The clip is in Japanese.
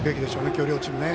今日、両チームね。